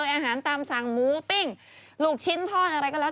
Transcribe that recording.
อาหารตามสั่งหมูปิ้งลูกชิ้นทอดอะไรก็แล้ว